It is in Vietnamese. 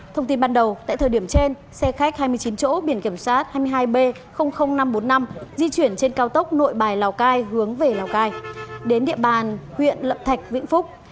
thông tin ban đầu tại thời điểm trên xe khách hai mươi chín chỗ biển kiểm soát hai mươi hai b năm trăm bốn mươi năm di chuyển trên cao tốc nội bài lào cai hướng về lào cai đến địa bàn huyện lập thạch vĩnh phúc